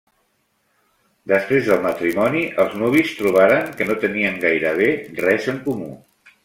Després del matrimoni, els nuvis trobaren que no tenien gairebé res en comú.